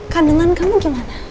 kandungan kamu gimana